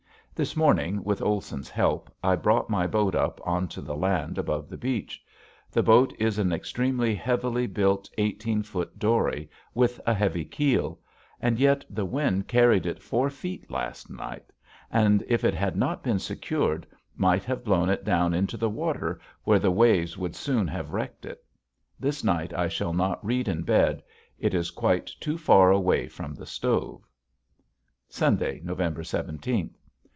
This morning with Olson's help I brought my boat up onto the land above the beach. The boat is an extremely heavily built eighteen foot dory with a heavy keel; and yet the wind carried it four feet last night and, if it had not been secured, might have blown it down into the water where the waves would soon have wrecked it. This night I shall not read in bed; it's quite too far away from the stove. Sunday, November seventeenth.